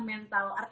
itu tuh itu tuh